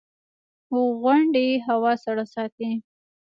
• غونډۍ هوا سړه ساتي.